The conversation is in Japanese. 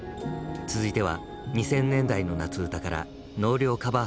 続いては２０００年代の夏うたから納涼カバー